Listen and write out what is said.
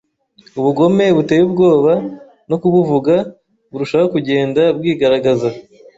Ubugome buteye ubwoba no kubuvuga burushaho kugenda bwigaragaza.